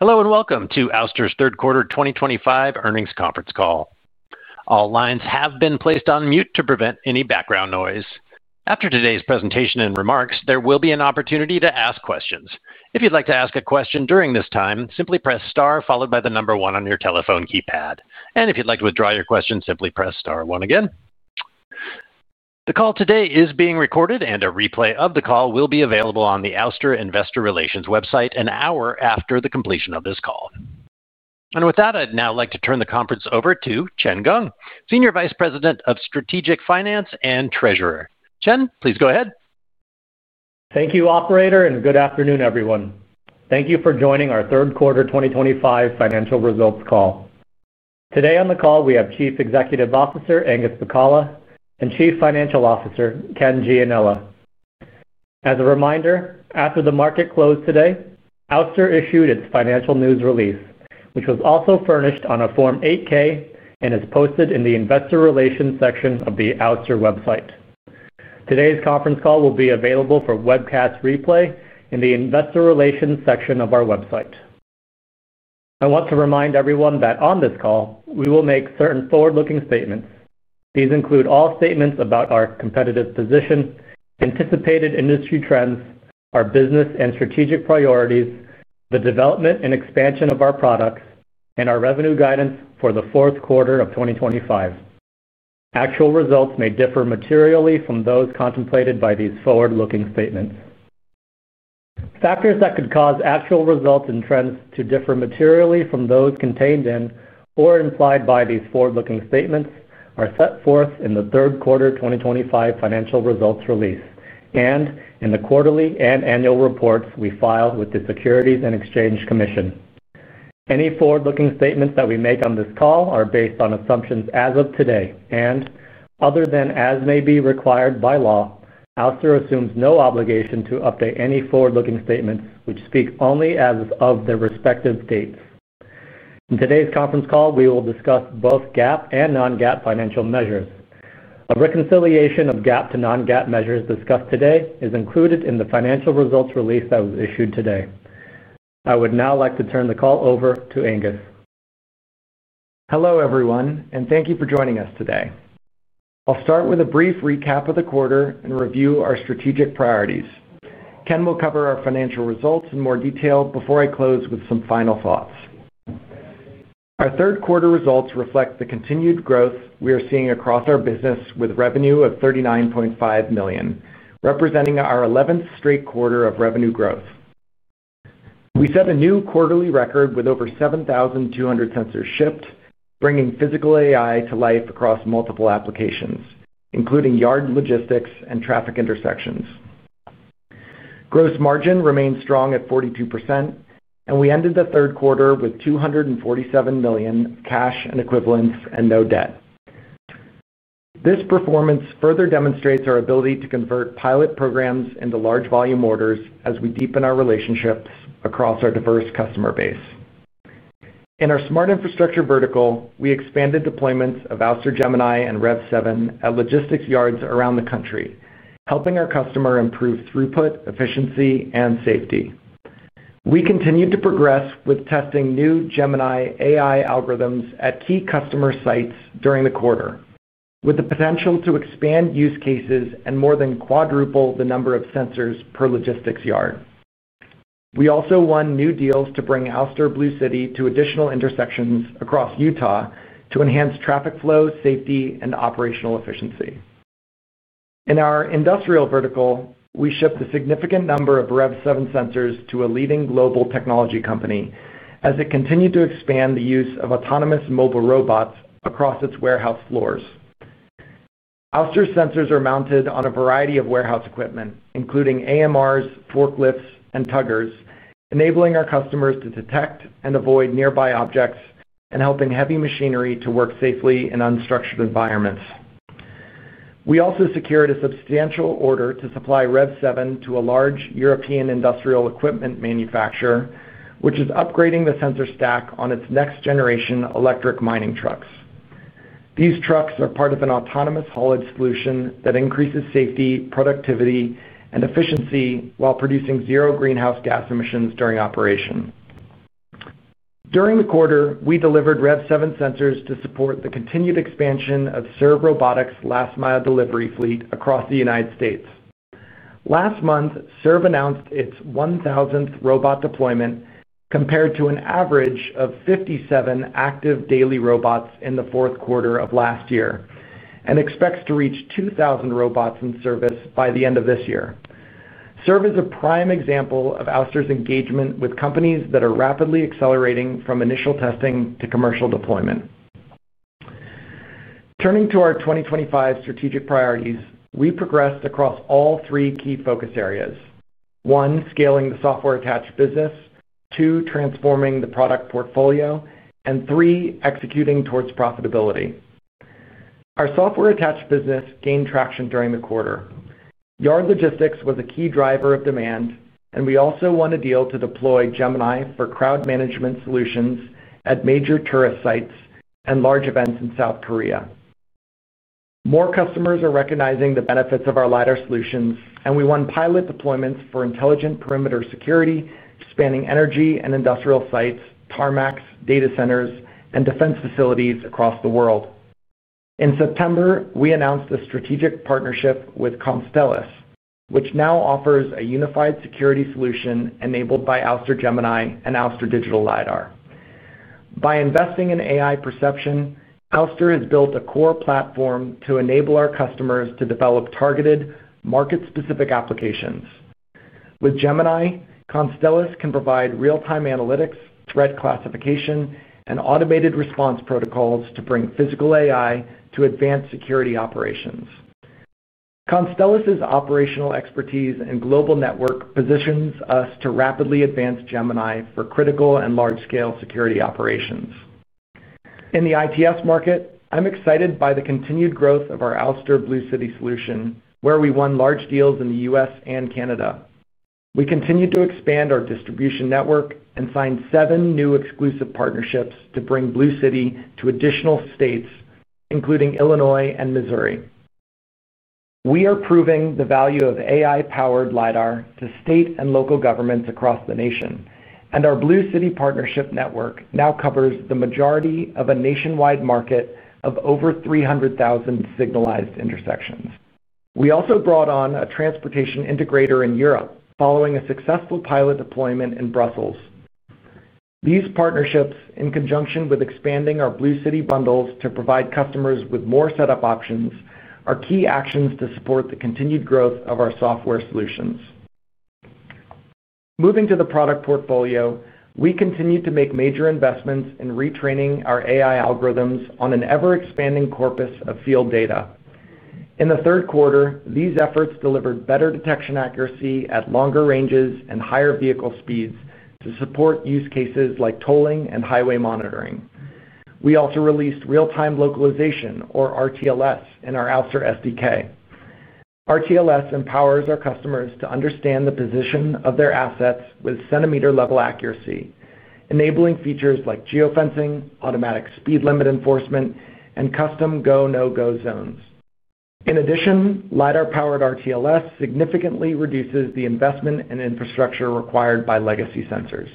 Hello and welcome to Ouster's third quarter 2025 earnings conference call. All lines have been placed on mute to prevent any background noise. After today's presentation and remarks, there will be an opportunity to ask questions. If you'd like to ask a question during this time, simply press star followed by the number one on your telephone keypad. And if you'd like to withdraw your question, simply press star one again. The call today is being recorded, and a replay of the call will be available on the Ouster Investor Relations website an hour after the completion of this call. And with that, I'd now like to turn the conference over to Chen Geng, Senior Vice President of Strategic Finance and Treasurer. Chen, please go ahead. Thank you, Operator, and good afternoon, everyone. Thank you for joining our Third Quarter 2025 Financial Results Call. Today on the call, we have Chief Executive Officer Angus Pacala and Chief Financial Officer Ken Gianella. As a reminder, after the market closed today, Ouster issued its financial news release, which was also furnished on a Form 8-K and is posted in the Investor Relations section of the Ouster website. Today's conference call will be available for webcast replay in the Investor Relations section of our website. I want to remind everyone that on this call, we will make certain forward-looking statements. These include all statements about our competitive position, anticipated industry trends, our business and strategic priorities, the development and expansion of our products, and our revenue guidance for the fourth quarter of 2025. Actual results may differ materially from those contemplated by these forward-looking statements. Factors that could cause actual results and trends to differ materially from those contained in or implied by these forward-looking statements are set forth in the Third Quarter 2025 financial results release and in the quarterly and annual reports we file with the Securities and Exchange Commission. Any forward-looking statements that we make on this call are based on assumptions as of today and, other than as may be required by law, Ouster assumes no obligation to update any forward-looking statements which speak only as of their respective dates. In today's conference call, we will discuss both GAAP and non-GAAP financial measures. A reconciliation of GAAP to non-GAAP measures discussed today is included in the financial results release that was issued today. I would now like to turn the call over to Angus. Hello everyone, and thank you for joining us today. I'll start with a brief recap of the quarter and review our strategic priorities. Ken will cover our financial results in more detail before I close with some final thoughts. Our third quarter results reflect the continued growth we are seeing across our business with revenue of $39.5 million, representing our 11th straight quarter of revenue growth. We set a new quarterly record with over 7,200 sensors shipped, bringing physical AI to life across multiple applications, including yard logistics and traffic intersections. Gross margin remains strong at 42%, and we ended the third quarter with $247 million cash and equivalents and no debt. This performance further demonstrates our ability to convert pilot programs into large volume orders as we deepen our relationships across our diverse customer base. In our smart infrastructure vertical, we expanded deployments of Ouster Gemini and REV7 at logistics yards around the country, helping our customer improve throughput, efficiency, and safety. We continued to progress with testing new Gemini AI algorithms at key customer sites during the quarter, with the potential to expand use cases and more than quadruple the number of sensors per logistics yard. We also won new deals to bring Ouster Blue City to additional intersections across Utah to enhance traffic flow, safety, and operational efficiency. In our industrial vertical, we shipped a significant number of REV7 sensors to a leading global technology company as it continued to expand the use of autonomous mobile robots across its warehouse floors. Ouster's sensors are mounted on a variety of warehouse equipment, including AMRs, forklifts, and tuggers, enabling our customers to detect and avoid nearby objects and helping heavy machinery to work safely in unstructured environments. We also secured a substantial order to supply REV7 to a large European industrial equipment manufacturer, which is upgrading the sensor stack on its next generation electric mining trucks. These trucks are part of an autonomous haul solution that increases safety, productivity, and efficiency while producing zero greenhouse gas emissions during operation. During the quarter, we delivered REV7 sensors to support the continued expansion of Serve Robotics' last-mile delivery fleet across the United States. Last month, Serve announced its 1,000th robot deployment, compared to an average of 57 active daily robots in the fourth quarter of last year, and expects to reach 2,000 robots in service by the end of this year. Serve is a prime example of Ouster's engagement with companies that are rapidly accelerating from initial testing to commercial deployment. Turning to our 2025 strategic priorities, we progressed across all three key focus areas: one, scaling the software-attached business, two, transforming the product portfolio, and three, executing towards profitability. Our software-attached business gained traction during the quarter. Yard logistics was a key driver of demand, and we also won a deal to deploy Gemini for crowd management solutions at major tourist sites and large events in South Korea. More customers are recognizing the benefits of our LiDAR solutions, and we won pilot deployments for intelligent perimeter security, spanning energy and industrial sites, tarmacs, data centers, and defense facilities across the world. In September, we announced a strategic partnership with Constellus, which now offers a unified security solution enabled by Ouster Gemini and Ouster Digital Flash. By investing in AI perception, Ouster has built a core platform to enable our customers to develop targeted, market-specific applications. With Gemini, Constellus can provide real-time analytics, threat classification, and automated response protocols to bring physical AI to advanced security operations. Constellus's operational expertise and global network positions us to rapidly advance Gemini for critical and large-scale security operations. In the ITS market, I'm excited by the continued growth of our Ouster Blue City solution, where we won large deals in the U.S. and Canada. We continue to expand our distribution network and signed seven new exclusive partnerships to bring Blue City to additional states, including Illinois and Missouri. We are proving the value of AI-powered LiDAR to state and local governments across the nation, and our Blue City partnership network now covers the majority of a nationwide market of over 300,000 signalized intersections. We also brought on a transportation integrator in Europe, following a successful pilot deployment in Brussels. These partnerships, in conjunction with expanding our Blue City bundles to provide customers with more setup options, are key actions to support the continued growth of our software solutions. Moving to the product portfolio, we continue to make major investments in retraining our AI algorithms on an ever-expanding corpus of field data. In the third quarter, these efforts delivered better detection accuracy at longer ranges and higher vehicle speeds to support use cases like tolling and highway monitoring. We also released real-time localization, or RTLS, in our Ouster SDK. RTLS empowers our customers to understand the position of their assets with centimeter-level accuracy, enabling features like geofencing, automatic speed limit enforcement, and custom go-no-go zones. In addition, LiDAR-powered RTLS significantly reduces the investment and infrastructure required by legacy sensors.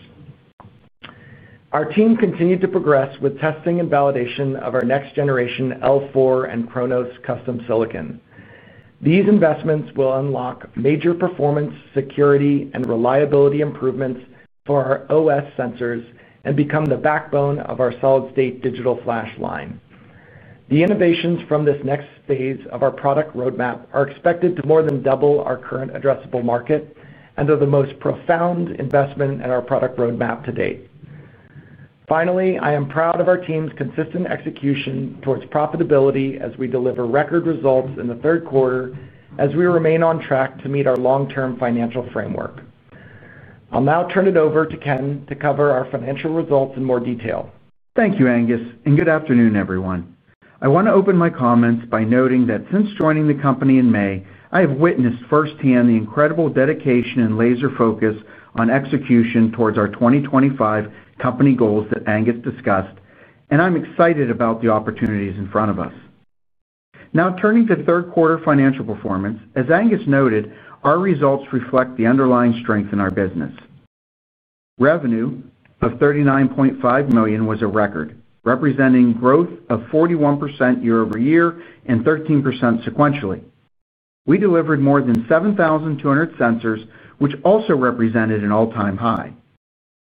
Our team continued to progress with testing and validation of our next-generation L4 and Kronos custom silicon. These investments will unlock major performance, security, and reliability improvements for our OS sensors and become the backbone of our solid-state digital flash line. The innovations from this next phase of our product roadmap are expected to more than double our current addressable market and are the most profound investment in our product roadmap to date. Finally, I am proud of our team's consistent execution towards profitability as we deliver record results in the third quarter, as we remain on track to meet our long-term financial framework. I'll now turn it over to Ken to cover our financial results in more detail. Thank you, Angus, and good afternoon, everyone. I want to open my comments by noting that since joining the company in May, I have witnessed firsthand the incredible dedication and laser focus on execution towards our 2025 company goals that Angus discussed, and I'm excited about the opportunities in front of us. Now, turning to third quarter financial performance, as Angus noted, our results reflect the underlying strength in our business. Revenue of $39.5 million was a record, representing growth of 41% year-over-year and 13% sequentially. We delivered more than 7,200 sensors, which also represented an all-time high.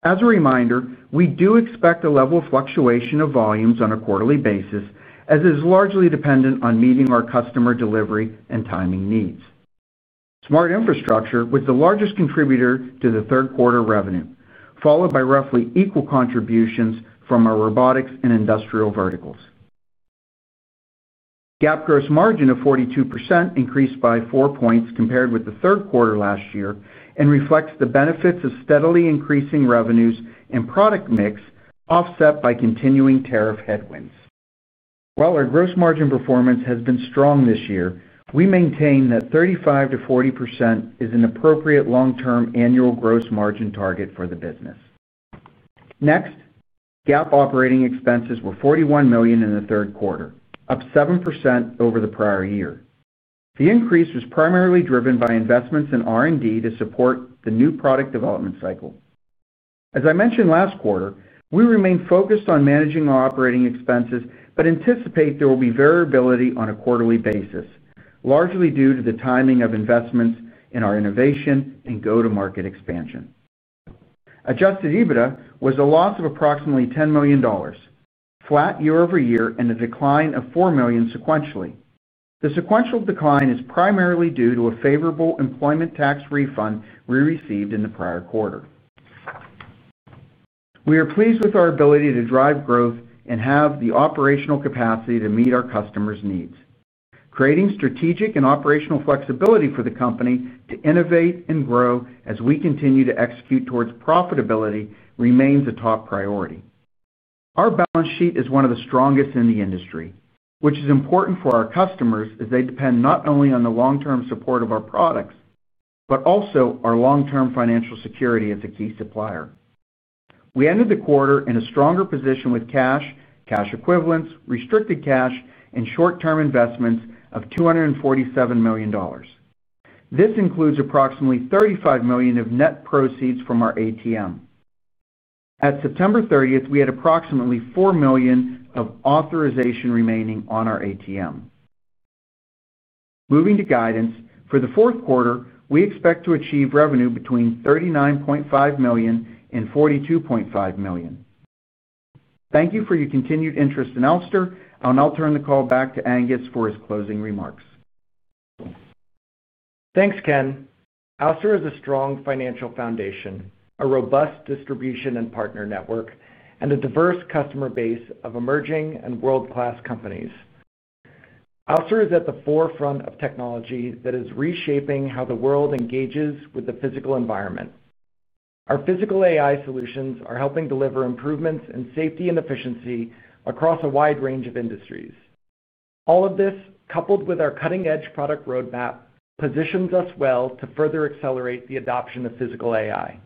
As a reminder, we do expect a level of fluctuation of volumes on a quarterly basis, as it is largely dependent on meeting our customer delivery and timing needs. Smart infrastructure was the largest contributor to the third quarter revenue, followed by roughly equal contributions from our robotics and industrial verticals. GAAP gross margin of 42% increased by four points compared with the third quarter last year and reflects the benefits of steadily increasing revenues and product mix offset by continuing tariff headwinds. While our gross margin performance has been strong this year, we maintain that 35%-40% is an appropriate long-term annual gross margin target for the business. Next, GAAP operating expenses were $41 million in the third quarter, up 7% over the prior year. The increase was primarily driven by investments in R&D to support the new product development cycle. As I mentioned last quarter, we remain focused on managing our operating expenses but anticipate there will be variability on a quarterly basis, largely due to the timing of investments in our innovation and go-to-market expansion. Adjusted EBITDA was a loss of approximately $10 million, flat year-over-year, and a decline of $4 million sequentially. The sequential decline is primarily due to a favorable employment tax refund we received in the prior quarter. We are pleased with our ability to drive growth and have the operational capacity to meet our customers' needs. Creating strategic and operational flexibility for the company to innovate and grow as we continue to execute towards profitability remains a top priority. Our balance sheet is one of the strongest in the industry, which is important for our customers as they depend not only on the long-term support of our products but also our long-term financial security as a key supplier. We ended the quarter in a stronger position with cash, cash equivalents, restricted cash, and short-term investments of $247 million. This includes approximately $35 million of net proceeds from our ATM. At September 30th, we had approximately $4 million of authorization remaining on our ATM. Moving to guidance, for the fourth quarter, we expect to achieve revenue between $39.5 million and $42.5 million. Thank you for your continued interest in Ouster, and I'll turn the call back to Angus for his closing remarks. Thanks, Ken. Ouster has a strong financial foundation, a robust distribution and partner network, and a diverse customer base of emerging and world-class companies. Ouster is at the forefront of technology that is reshaping how the world engages with the physical environment. Our physical AI solutions are helping deliver improvements in safety and efficiency across a wide range of industries. All of this, coupled with our cutting-edge product roadmap, positions us well to further accelerate the adoption of physical AI.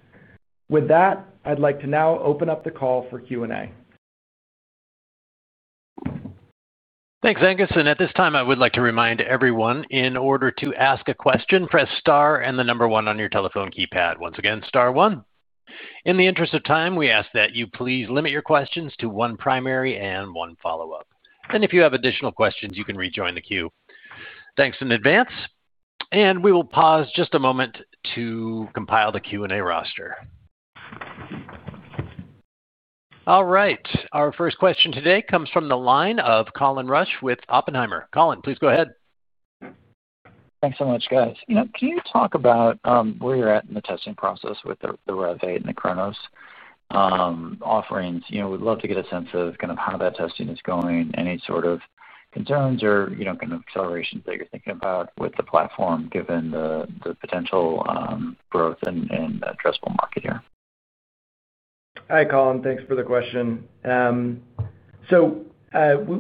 With that, I'd like to now open up the call for Q&A. Thanks, Angus. And at this time, I would like to remind everyone in order to ask a question, press star and the number one on your telephone keypad. Once again, star one. In the interest of time, we ask that you please limit your questions to one primary and one follow-up. And if you have additional questions, you can rejoin the queue. Thanks in advance. And we will pause just a moment to compile the Q&A roster. All right. Our first question today comes from the line of Colin Rusch with Oppenheimer. Colin, please go ahead. Thanks so much, guys. You know, can you talk about, where you're at in the testing process with the REV8 and the Kronos offerings? You know, we'd love to get a sense of kind of how that testing is going, any sort of concerns or, you know, kind of accelerations that you're thinking about with the platform given the potential growth and addressable market here? Hi, Colin. Thanks for the question. So, we,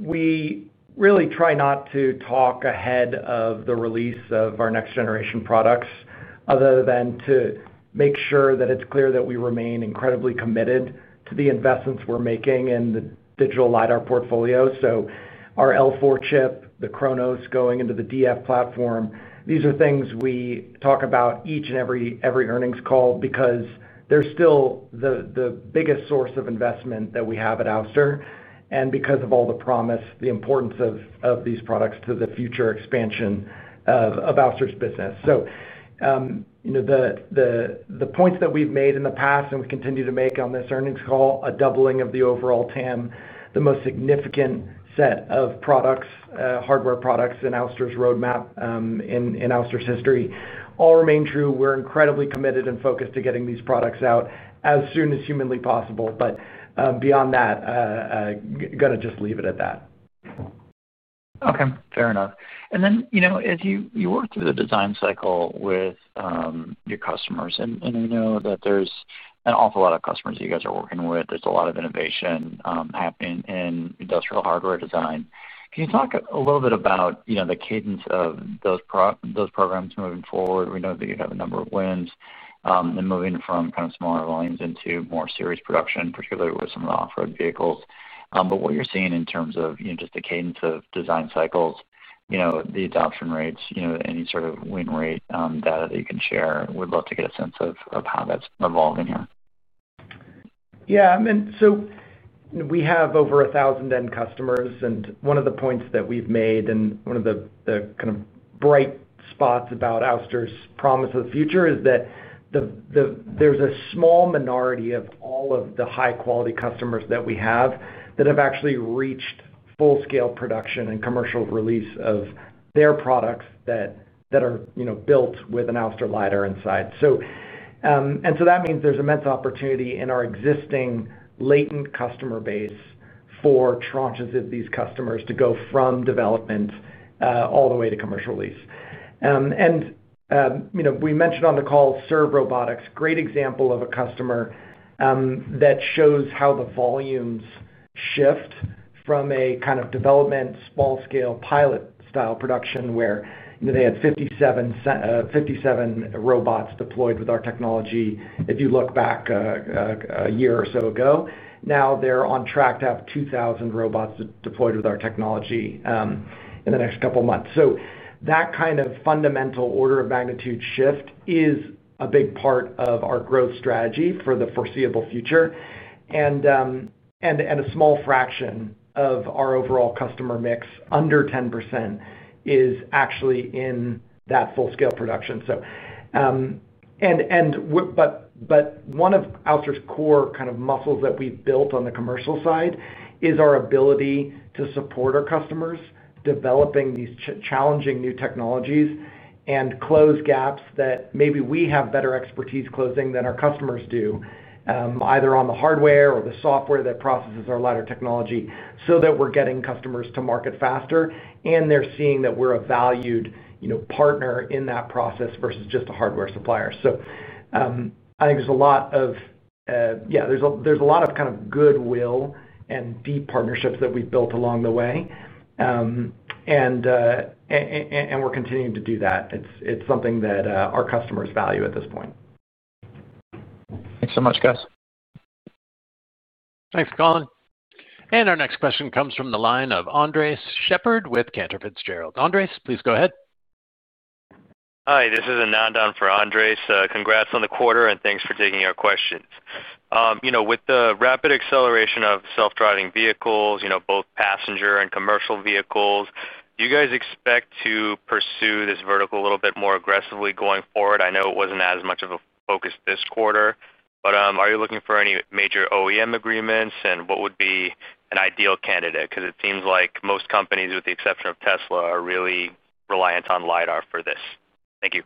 we really try not to talk ahead of the release of our next-generation products other than to make sure that it's clear that we remain incredibly committed to the investments we're making in the digital LiDAR portfolio. So our L4 chip, the Kronos going into the DF platform, these are things we talk about each and every, every earnings call because they're still the, the biggest source of investment that we have at Ouster and because of all the promise, the importance of, of these products to the future expansion of, of Ouster's business. So, you know, the, the, the points that we've made in the past and we continue to make on this earnings call, a doubling of the overall TAM, the most significant set of products, hardware products in Ouster's roadmap, in, in Ouster's history, all remain true. We're incredibly committed and focused to getting these products out as soon as humanly possible. But, beyond that, gonna just leave it at that. Okay. Fair enough. And then, you know, as you worked through the design cycle with your customers, and we know that there's an awful lot of customers that you guys are working with. There's a lot of innovation happening in industrial hardware design. Can you talk a little bit about, you know, the cadence of those programs moving forward? We know that you have a number of wins, and moving from kind of smaller volumes into more serious production, particularly with some of the off-road vehicles, but what you're seeing in terms of, you know, just the cadence of design cycles, you know, the adoption rates, you know, any sort of win rate data that you can share, we'd love to get a sense of how that's evolving here. Yeah. I mean, so we have over 1,000 end customers. And one of the points that we've made and one of the, the kind of bright spots about Ouster's promise of the future is that the, the there's a small minority of all of the high-quality customers that we have that have actually reached full-scale production and commercial release of their products that, that are, you know, built with an Ouster LiDAR inside. So, and so that means there's immense opportunity in our existing latent customer base for tranches of these customers to go from development, all the way to commercial release. And, you know, we mentioned on the call Serve Robotics, great example of a customer, that shows how the volumes shift from a kind of development, small-scale pilot-style production where, you know, they had 57 robots deployed with our technology if you look back, a year or so ago. Now they're on track to have 2,000 robots deployed with our technology, in the next couple of months. So that kind of fundamental order of magnitude shift is a big part of our growth strategy for the foreseeable future. And, and, a small fraction of our overall customer mix, under 10%, is actually in that full-scale production. So, and, but, but one of Ouster's core kind of muscles that we've built on the commercial side is our ability to support our customers developing these challenging new technologies and close gaps that maybe we have better expertise closing than our customers do, either on the hardware or the software that processes our LiDAR technology so that we're getting customers to market faster, and they're seeing that we're a valued, you know, partner in that process versus just a hardware supplier. So, I think there's a lot of, yeah, there's a lot of kind of goodwill and deep partnerships that we've built along the way. And, and we're continuing to do that. It's, it's something that, our customers value at this point. Thanks so much, guys. Thanks, Colin. And our next question comes from the line of Andres Sheppard with Cantor Fitzgerald. Anandan, please go ahead. Hi. This is Anandan for Andres. Congrats on the quarter, and thanks for taking our questions. You know, with the rapid acceleration of self-driving vehicles, you know, both passenger and commercial vehicles, do you guys expect to pursue this vertical a little bit more aggressively going forward? I know it wasn't as much of a focus this quarter. But, are you looking for any major OEM agreements, and what would be an ideal candidate? 'Cause it seems like most companies, with the exception of Tesla, are really reliant on LiDAR for this. Thank you.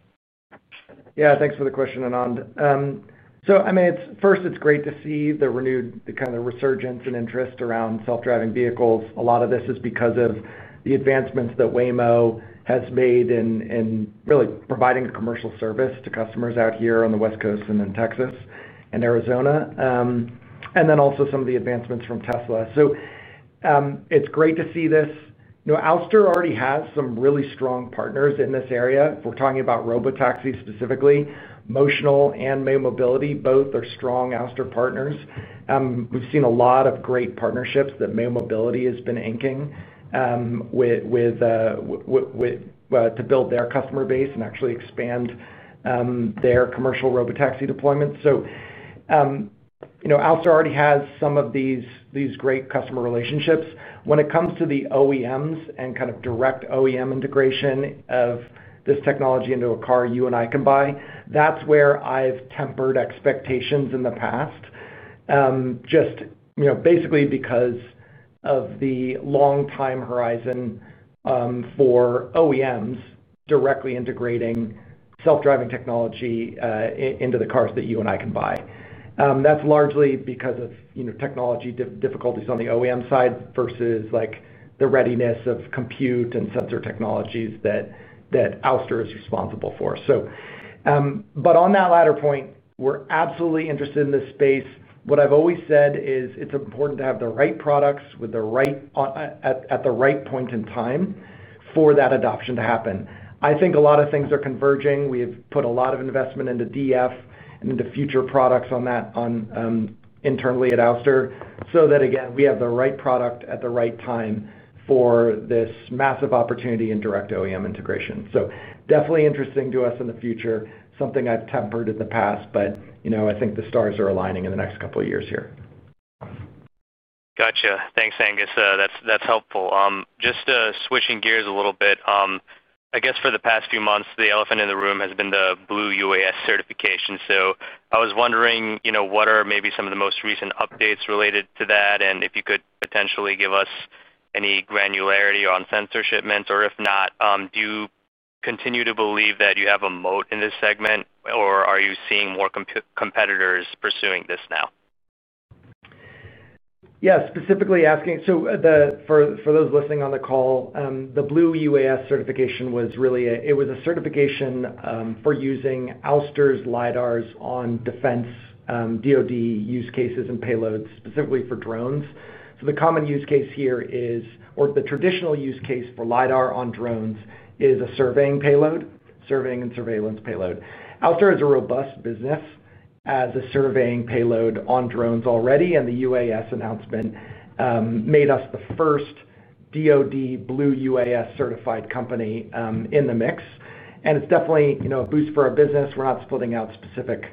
Yeah. Thanks for the question, Anandan. So, I mean, it's first, it's great to see the renewed kind of resurgence and interest around self-driving vehicles. A lot of this is because of the advancements that Waymo has made in really providing a commercial service to customers out here on the West Coast and in Texas and Arizona, and then also some of the advancements from Tesla. So, it's great to see this. You know, Ouster already has some really strong partners in this area. If we're talking about robotaxi specifically, Motional and May Mobility both are strong Ouster partners. We've seen a lot of great partnerships that May Mobility has been inking with to build their customer base and actually expand their commercial robotaxi deployments. So, you know, Ouster already has some of these great customer relationships. When it comes to the OEMs and kind of direct OEM integration of this technology into a car you and I can buy, that's where I've tempered expectations in the past. Just, you know, basically because of the long-time horizon for OEMs directly integrating self-driving technology into the cars that you and I can buy. That's largely because of, you know, technology difficulties on the OEM side versus, like, the readiness of compute and sensor technologies that Ouster is responsible for. So, but on that latter point, we're absolutely interested in this space. What I've always said is it's important to have the right products with the right at the right point in time for that adoption to happen. I think a lot of things are converging. We have put a lot of investment into DF and into future products on that internally at Ouster so that, again, we have the right product at the right time for this massive opportunity in direct OEM integration. So definitely interesting to us in the future, something I've tempered in the past, but, you know, I think the stars are aligning in the next couple of years here. Gotcha. Thanks, Angus. That's, that's helpful. Just, switching gears a little bit, I guess for the past few months, the elephant in the room has been the Blue UAS certification. So I was wondering, you know, what are maybe some of the most recent updates related to that, and if you could potentially give us any granularity on sensor shipments? Or if not, do you continue to believe that you have a moat in this segment, or are you seeing more competitors pursuing this now? Yeah. Specifically asking so, for those listening on the call, the Blue UAS certification was really a certification for using Ouster's LiDARs on defense, DOD use cases and payloads, specifically for drones. So the common use case here is or the traditional use case for LiDAR on drones is a surveying payload, surveying and surveillance payload. Ouster is a robust business as a surveying payload on drones already, and the UAS announcement made us the first DOD Blue UAS certified company in the mix. And it's definitely, you know, a boost for our business. We're not splitting out specific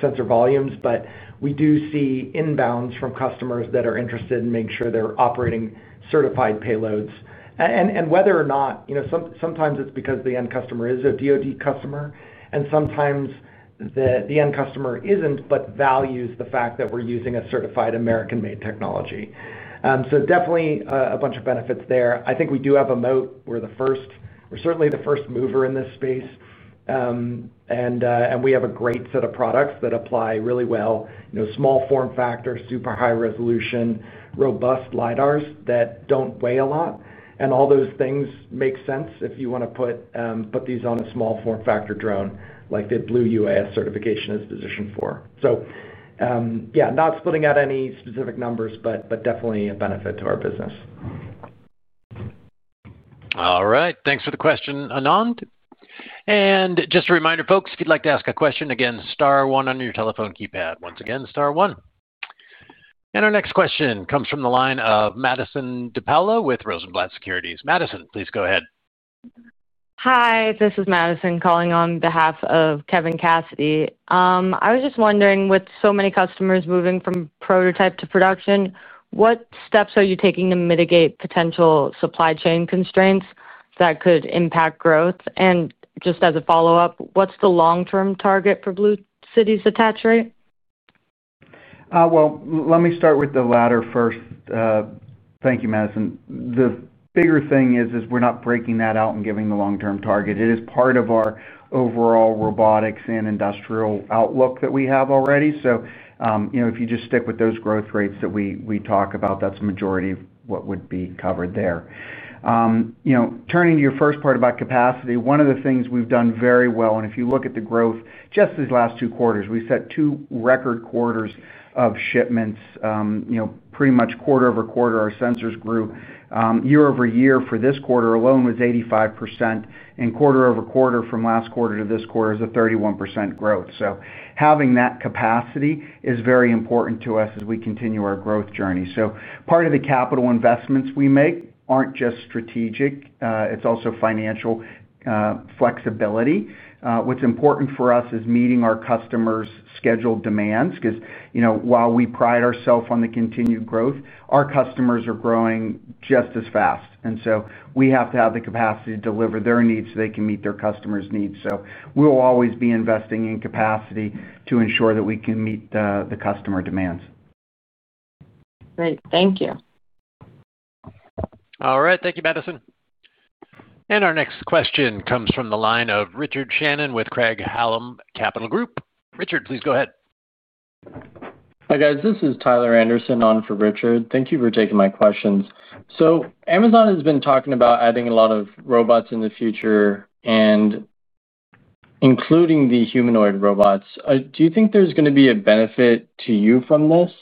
sensor volumes, but we do see inbounds from customers that are interested in making sure they're operating certified payloads. And whether or not, you know, sometimes it's because the end customer is a DOD customer, and sometimes the end customer isn't but values the fact that we're using a certified American-made technology. So definitely a bunch of benefits there. I think we do have a moat. We're the first, we're certainly the first mover in this space. And we have a great set of products that apply really well, you know, small form factor, super high resolution, robust LiDARs that don't weigh a lot. And all those things make sense if you wanna put these on a small form factor drone like the Blue UAS certification is positioned for. So, yeah, not splitting out any specific numbers, but definitely a benefit to our business. All right. Thanks for the question, Anandan. And just a reminder, folks, if you'd like to ask a question, again, star one on your telephone keypad. Once again, star one. And our next question comes from the line of Madison DiPaola with Rosenblatt Securities. Madison, please go ahead. Hi. This is Madison calling on behalf of Kevin Cassidy. I was just wondering, with so many customers moving from prototype to production, what steps are you taking to mitigate potential supply chain constraints that could impact growth? And just as a follow-up, what's the long-term target for Blue City attach rate? Well, let me start with the latter first. Thank you, Madison. The bigger thing is, we're not breaking that out and giving the long-term target. It is part of our overall robotics and industrial outlook that we have already. So, you know, if you just stick with those growth rates that we talk about, that's the majority of what would be covered there. You know, turning to your first part about capacity, one of the things we've done very well and if you look at the growth, just these last two quarters, we set two record quarters of shipments, you know, pretty much quarter over quarter, our sensors grew. Year-over-year for this quarter alone was 85%, and quarter-over-quarter from last quarter to this quarter is a 31% growth. So having that capacity is very important to us as we continue our growth journey. So part of the capital investments we make aren't just strategic. It's also financial flexibility. What's important for us is meeting our customers' scheduled demands 'cause, you know, while we pride ourselves on the continued growth, our customers are growing just as fast, and so we have to have the capacity to deliver their needs so they can meet their customers' needs. So we'll always be investing in capacity to ensure that we can meet the customer demands. Great. Thank you. All right. Thank you, Madison. And our next question comes from the line of Richard Shannon with Craig-Hallum Capital Group. Richard, please go ahead. Hi, guys. This is Tyler Anderson on for Richard. Thank you for taking my questions. So Amazon has been talking about adding a lot of robots in the future, and including the humanoid robots. Do you think there's gonna be a benefit to you from this?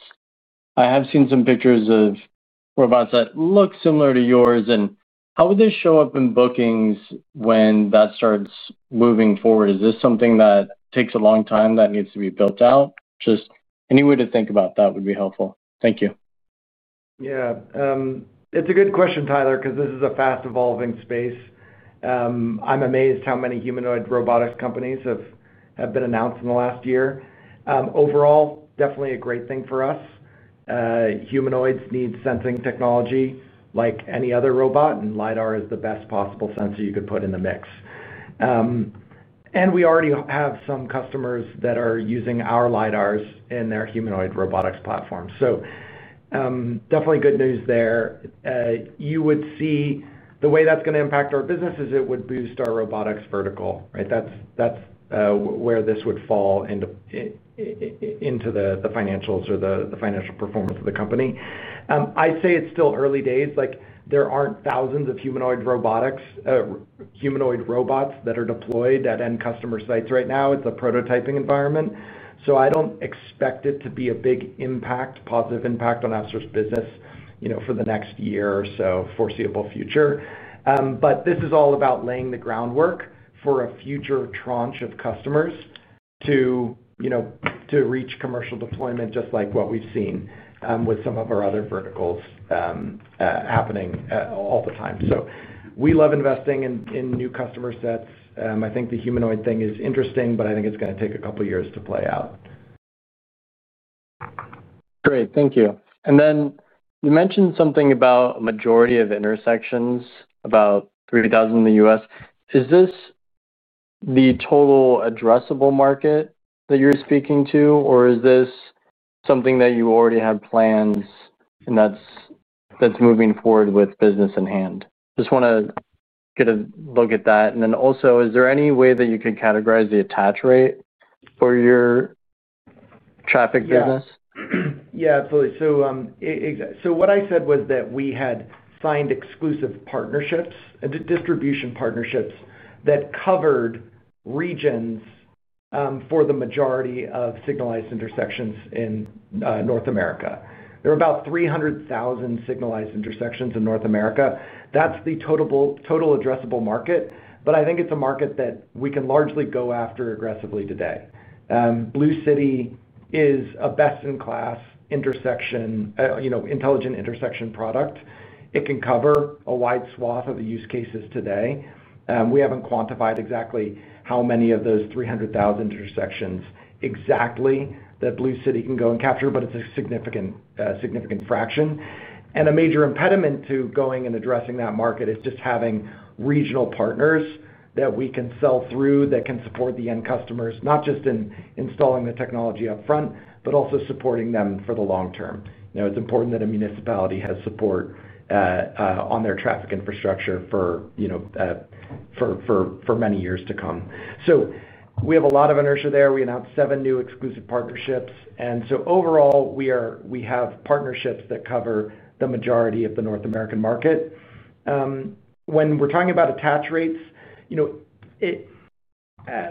I have seen some pictures of robots that look similar to yours, and how would this show up in bookings when that starts moving forward? Is this something that takes a long time that needs to be built out? Just any way to think about that would be helpful. Thank you. Yeah. It's a good question, Tyler, 'cause this is a fast-evolving space. I'm amazed how many humanoid robotics companies have, have been announced in the last year. Overall, definitely a great thing for us. Humanoids need sensing technology like any other robot, and LiDAR is the best possible sensor you could put in the mix, and we already have some customers that are using our LiDARs in their humanoid robotics platform. So, definitely good news there. You would see the way that's gonna impact our business is it would boost our robotics vertical, right? That's, that's, where this would fall into the financials or the financial performance of the company. I'd say it's still early days. Like, there aren't thousands of humanoid robotics, humanoid robots that are deployed at end customer sites right now. It's a prototyping environment, so I don't expect it to be a big impact, positive impact on Ouster's business, you know, for the next year or so, foreseeable future, but this is all about laying the groundwork for a future tranche of customers to, you know, to reach commercial deployment just like what we've seen, with some of our other verticals, happening, all the time, so we love investing in, in new customer sets. I think the humanoid thing is interesting, but I think it's gonna take a couple of years to play out. Great. Thank you. And then you mentioned something about a majority of intersections, about 3,000 in the U.S. Is this the total addressable market that you're speaking to, or is this something that you already have plans and that's, that's moving forward with business in hand? Just wanna get a look at that. And then also, is there any way that you could categorize the attach rate for your traffic business? Yeah. Yeah. Absolutely. So, so what I said was that we had signed exclusive partnerships, distribution partnerships that covered regions, for the majority of signalized intersections in North America. There are about 300,000 signalized intersections in North America. That's the total addressable market. But I think it's a market that we can largely go after aggressively today. Blue City is a best-in-class intersection, you know, intelligent intersection product. It can cover a wide swath of the use cases today. We haven't quantified exactly how many of those 300,000 intersections exactly that Blue City can go and capture, but it's a significant, significant fraction. And a major impediment to going and addressing that market is just having regional partners that we can sell through that can support the end customers, not just in installing the technology upfront, but also supporting them for the long term. You know, it's important that a municipality has support on their traffic infrastructure for, you know, for, for, for many years to come. So we have a lot of inertia there. We announced seven new exclusive partnerships. And so overall, we have partnerships that cover the majority of the North American market. When we're talking about attach rates, you know, it,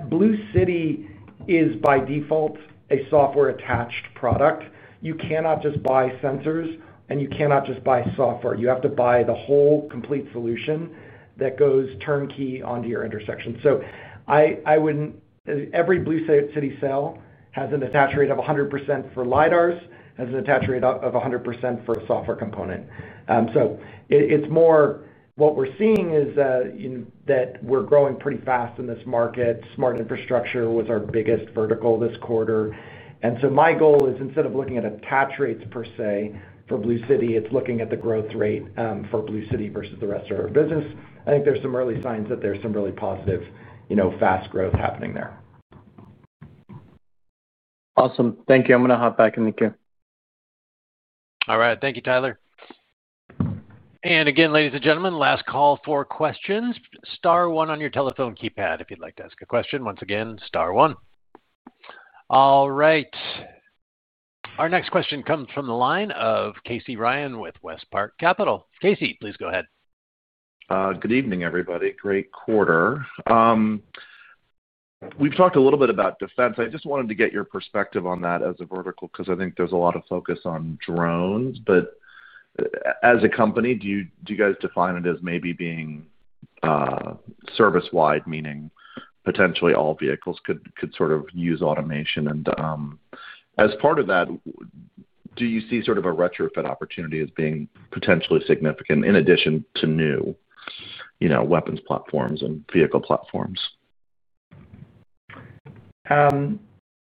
Blue City is by default a software-attached product. You cannot just buy sensors, and you cannot just buy software. You have to buy the whole complete solution that goes turnkey onto your intersection. So every Blue City sale has an attach rate of 100% for LiDARs, has an attach rate of 100% for a software component. So it's more what we're seeing is, you know, that we're growing pretty fast in this market. Smart infrastructure was our biggest vertical this quarter. And so my goal is instead of looking at attach rates per se for Blue City, it's looking at the growth rate for Blue City versus the rest of our business. I think there's some early signs that there's some really positive, you know, fast growth happening there. Awesome. Thank you. I'm gonna hop back in the queue. All right. Thank you, Tyler. And again, ladies and gentlemen, last call for questions. Star one on your telephone keypad if you'd like to ask a question. Once again, star one. All right. Our next question comes from the line of Casey Ryan with WestPark Capital. Casey, please go ahead. Good evening, everybody. Great quarter. We've talked a little bit about defense. I just wanted to get your perspective on that as a vertical 'cause I think there's a lot of focus on drones. But a-a-as a company, do you do you guys define it as maybe being, service-wide, meaning potentially all vehicles could, could sort of use automation? And, as part of that, w-w do you see sort of a retrofit opportunity as being potentially significant in addition to new, you know, weapons platforms and vehicle platforms?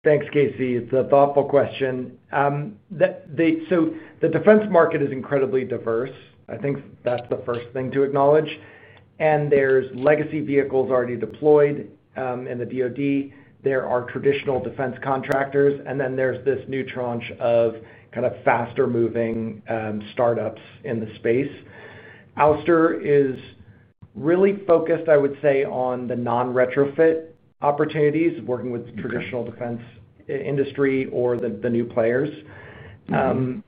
Thanks, Casey. It's a thoughtful question, so the defense market is incredibly diverse. I think that's the first thing to acknowledge, and there's legacy vehicles already deployed, in the DOD. There are traditional defense contractors, and then there's this new tranche of kind of faster-moving, startups in the space. Ouster is really focused, I would say, on the non-retrofit opportunities, working with traditional defense, industry or the new players. Mm-hmm.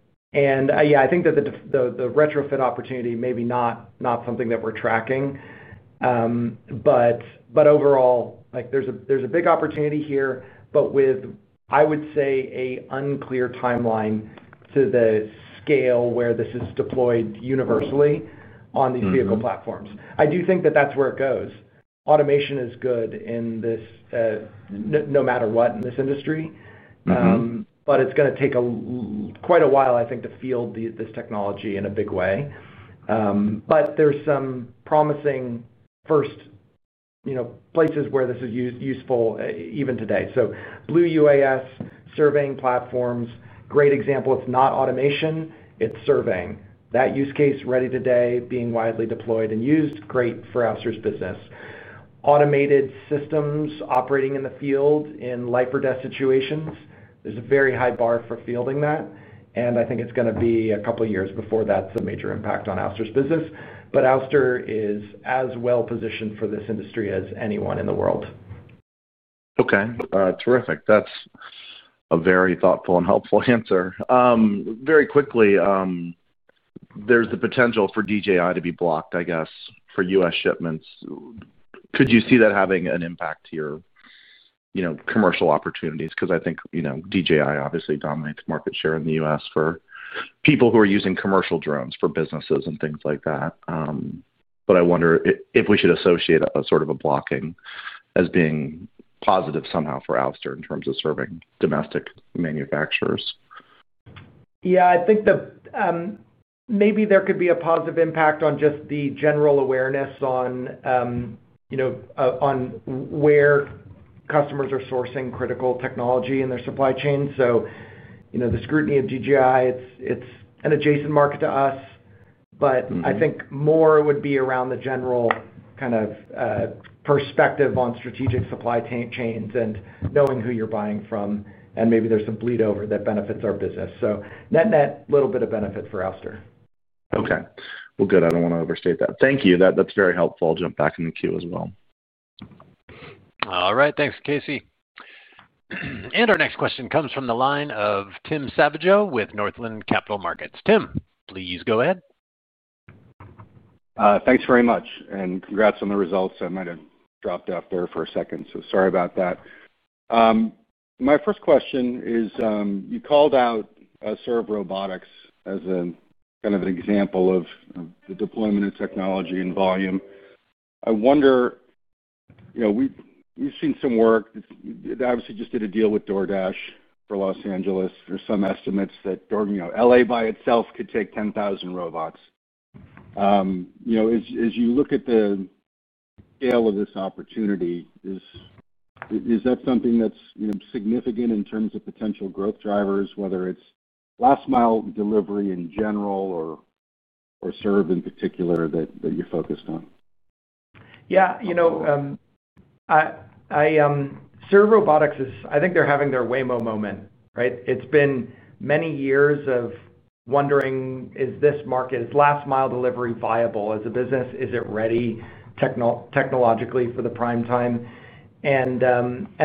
Yeah, I think that the, the retrofit opportunity may be not something that we're tracking. But overall, like, there's a big opportunity here, but with, I would say, a unclear timeline to the scale where this is deployed universally on these vehicle platforms. Mm-hmm. I do think that that's where it goes. Automation is good in this, no matter what in this industry. Mm-hmm. but it's gonna take quite a while, I think, to field this technology in a big way. But there's some promising first, you know, places where this is useful, even today. So Blue UAS, surveying platforms, great example. It's not automation. It's surveying. That use case ready today, being widely deployed and used, great for Ouster's business. Automated systems operating in the field in life-or-death situations. There's a very high bar for fielding that. And I think it's gonna be a couple of years before that's a major impact on Ouster's business. But Ouster is as well-positioned for this industry as anyone in the world. Okay. Terrific. That's a very thoughtful and helpful answer. Very quickly, there's the potential for DJI to be blocked, I guess, for U.S. shipments. Could you see that having an impact here, you know, commercial opportunities? 'Cause I think, you know, DJI obviously dominates market share in the U.S. for people who are using commercial drones for businesses and things like that. But I wonder if we should associate a sort of a blocking as being positive somehow for Ouster in terms of serving domestic manufacturers. Yeah. I think the, maybe there could be a positive impact on just the general awareness on, you know, on w-where customers are sourcing critical technology in their supply chain. So, you know, the scrutiny of DJI, it's, it's an adjacent market to us. Mm-hmm. But I think more would be around the general kind of, perspective on strategic supply chains and knowing who you're buying from. And maybe there's some bleed over that benefits our business. So net, net little bit of benefit for Ouster. Okay. Well, good. I don't wanna overstate that. Thank you. That, that's very helpful. I'll jump back in the queue as well. All right. Thanks, Casey. And our next question comes from the line of Tim Savageau with Northland Capital Markets. Tim, please go ahead. Thanks very much. And congrats on the results. I might have dropped off there for a second, so sorry about that. My first question is, you called out, Serve Robotics as a kind of an example of, of the deployment of technology and volume. I wonder, you know, we've, we've seen some work. It's y-you obviously just did a deal with DoorDash for Los Angeles. There's some estimates that DoorDash, you know, LA by itself could take 10,000 robots. You know, as, as you look at the scale of this opportunity, is, is, is that something that's, you know, significant in terms of potential growth drivers, whether it's last-mile delivery in general or, or Serve in particular that, that you're focused on? Yeah. You know, I, Serve Robotics is I think they're having their Waymo moment, right? It's been many years of wondering, is this market, is last-mile delivery viable? As a business, is it ready technologically for the prime time? And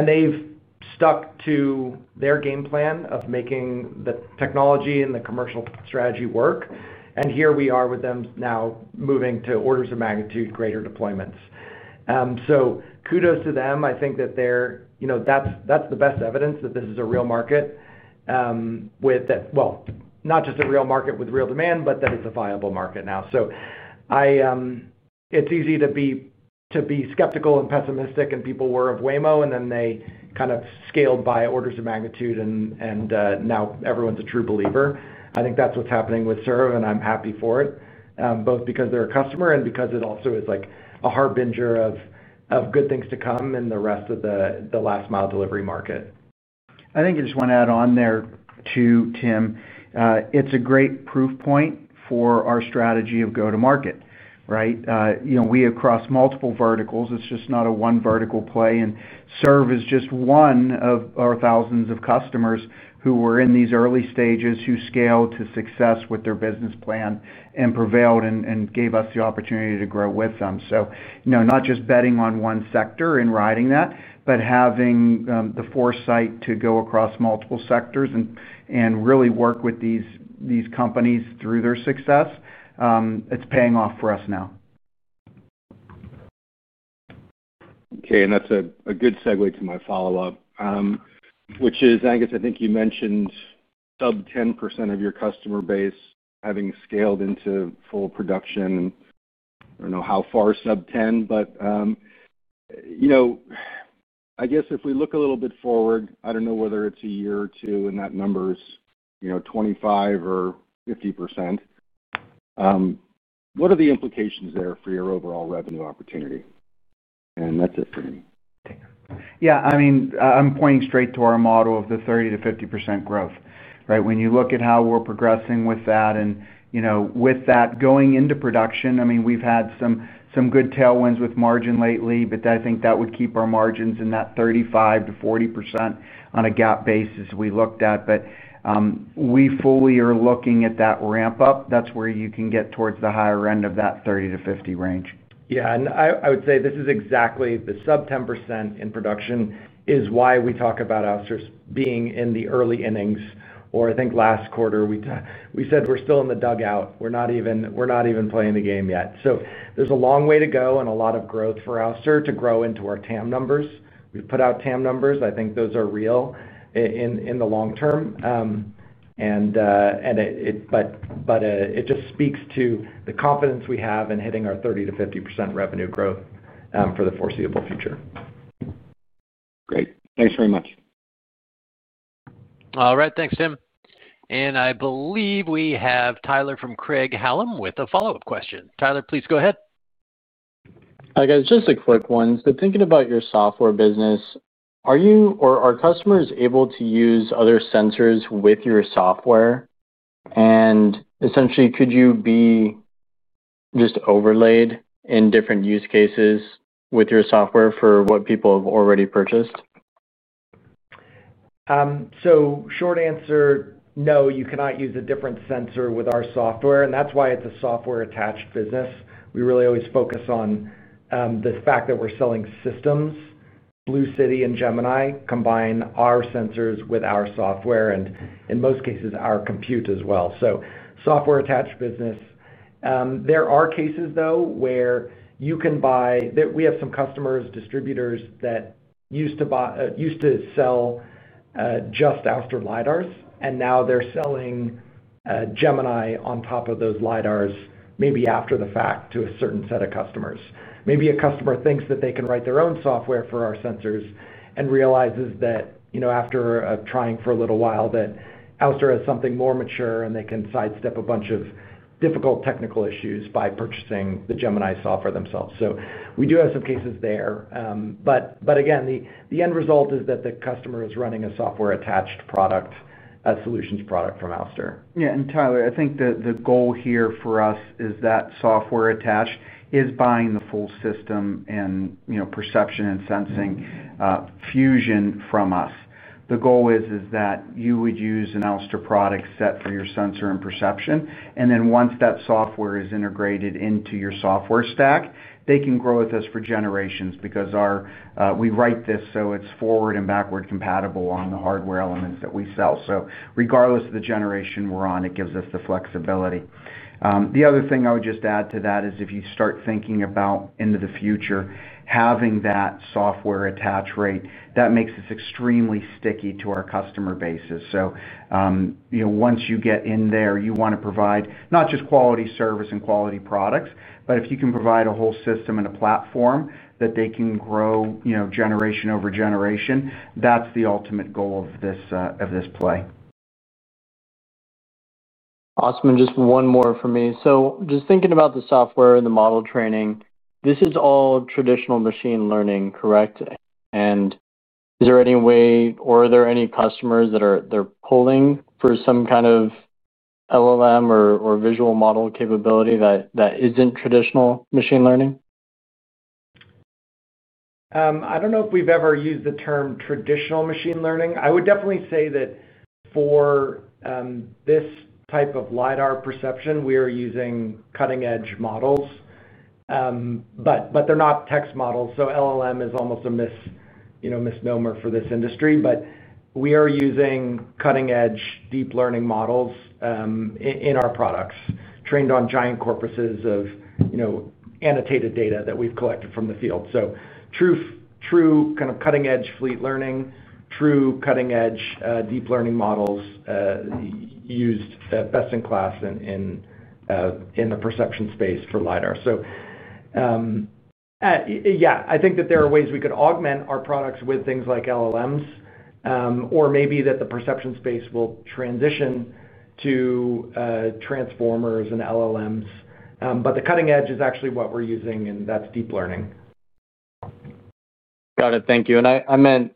they've stuck to their game plan of making the technology and the commercial strategy work. And here we are with them now moving to orders of magnitude greater deployments. So kudos to them. I think that they're, you know, that's, that's the best evidence that this is a real market, with that. Well, not just a real market with real demand, but that it's a viable market now. So I, it's easy to be skeptical and pessimistic and people were of Waymo, and then they kind of scaled by orders of magnitude and now everyone's a true believer. I think that's what's happening with Serve, and I'm happy for it, both because they're a customer and because it also is, like, a harbinger of good things to come in the rest of the last-mile delivery market. I think I just wanna add on there too, Tim. It's a great proof point for our strategy of go-to-market, right? You know, we across multiple verticals. It's just not a one vertical play. And Serve is just one of our thousands of customers who were in these early stages who scaled to success with their business plan and prevailed and gave us the opportunity to grow with them. So, you know, not just betting on one sector in riding that, but having the foresight to go across multiple sectors and really work with these companies through their success, it's paying off for us now. Okay. And that's a good segue to my follow-up, which is, I guess, I think you mentioned sub-10% of your customer base having scaled into full production. And I don't know how far sub-10%, but, you know, I guess if we look a little bit forward, I don't know whether it's a year or two and that number's, you know, 25% or 50%. What are the implications there for your overall revenue opportunity? And that's it for me. Yeah. I mean, I'm pointing straight to our model of the 30%-50% growth, right? When you look at how we're progressing with that and, you know, with that going into production, I mean, we've had some good tailwinds with margin lately, but I think that would keep our margins in that 35%-40% on a GAAP basis we looked at. But, we fully are looking at that ramp-up. That's where you can get towards the higher end of that 30%-50% range. Yeah. And I, I would say this is exactly the sub-10% in production is why we talk about Ouster's being in the early innings. Or I think last quarter we said we're still in the dugout. We're not even playing the game yet. So there's a long way to go and a lot of growth for Ouster to grow into our TAM numbers. We've put out TAM numbers. I think those are real in the long term, and it just speaks to the confidence we have in hitting our 30%-50% revenue growth, for the foreseeable future. Great. Thanks very much. All right. Thanks, Tim. And I believe we have Tyler from Craig-Hallum with a follow-up question. Tyler, please go ahead. Hi, guys. Just a quick one. So thinking about your software business, are you or are customers able to use other sensors with your software? And essentially, could you be just overlaid in different use cases with your software for what people have already purchased? So, short answer, no. You cannot use a different sensor with our software. And that's why it's a software-attached business. We really always focus on, the fact that we're selling systems. Blue City and Gemini combine our sensors with our software and, in most cases, our compute as well. So software-attached business. There are cases, though, where you can buy that we have some customers, distributors that used to buy, used to sell, just Ouster LiDARs, and now they're selling, Gemini on top of those LiDARs, maybe after the fact, to a certain set of customers. Maybe a customer thinks that they can write their own software for our sensors and realizes that, you know, after, trying for a little while, that Ouster has something more mature and they can sidestep a bunch of difficult technical issues by purchasing the Gemini software themselves. So we do have some cases there. But, but again, the, the end result is that the customer is running a software-attached product, a solutions product from Ouster. Yeah. And Tyler, I think the goal here for us is that software attach rate is buying the full system and, you know, perception and sensing, fusion from us. The goal is that you would use an Ouster product set for your sensor and perception. And then once that software is integrated into your software stack, they can grow with us for generations because our, we write this so it's forward and backward compatible on the hardware elements that we sell. So regardless of the generation we're on, it gives us the flexibility. The other thing I would just add to that is if you start thinking about into the future having that software attach rate, that makes us extremely sticky to our customer bases. So, you know, once you get in there, you wanna provide not just quality service and quality products, but if you can provide a whole system and a platform that they can grow, you know, generation over generation, that's the ultimate goal of this, of this play. Awesome. And just one more for me. So just thinking about the software and the model training, this is all traditional machine learning, correct? And is there any way or are there any customers that are, they're pushing for some kind of LLM or, or visual model capability that, that isn't traditional machine learning? I don't know if we've ever used the term traditional machine learning. I would definitely say that for this type of LiDAR perception, we are using cutting-edge models, but they're not text models, so LLM is almost a misnomer, you know, for this industry, but we are using cutting-edge deep learning models in our products trained on giant corpora of, you know, annotated data that we've collected from the field, so true kind of cutting-edge fleet learning, true cutting-edge deep learning models used best in class in the perception space for LiDAR, so yeah. I think that there are ways we could augment our products with things like LLMs, or maybe that the perception space will transition to transformers and LLMs, but the cutting edge is actually what we're using, and that's deep learning. Got it. Thank you. And I, I meant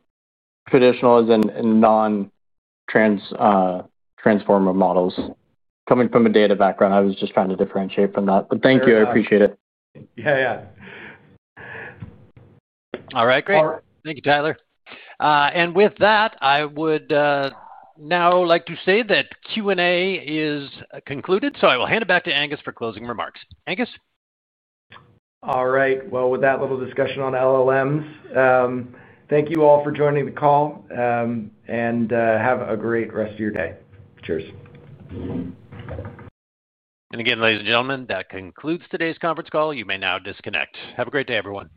traditional as in, in non-transformer models. Coming from a data background, I was just trying to differentiate from that. But thank you. I appreciate it. Yeah. Yeah. Yeah. All right. Great. Thank you, Tyler. And with that, I would now like to say that Q&A is concluded. So I will hand it back to Angus for closing remarks. Angus? All right. Well, with that little discussion on LLMs, thank you all for joining the call, and have a great rest of your day. Cheers. Again, ladies and gentlemen, that concludes today's conference call. You may now disconnect. Have a great day, everyone.